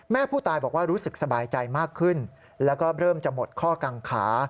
ผู้ตายบอกว่ารู้สึกสบายใจมากขึ้นแล้วก็เริ่มจะหมดข้อกังขา